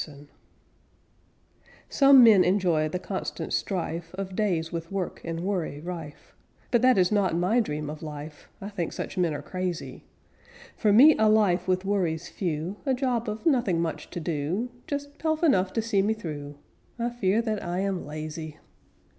"LAZY" Some men enjoy the constant strife Of days with work and worry rife, But that is not my dream of life: I think such men are crazy. For me, a life with worries few, A job of nothing much to do, Just pelf enough to see me through: I fear that I am lazy.